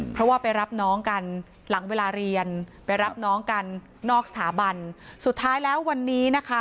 เพราะว่าไปรับน้องกันหลังเวลาเรียนไปรับน้องกันนอกสถาบันสุดท้ายแล้ววันนี้นะคะ